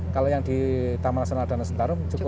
kalau yang di taman nasional danau sentarung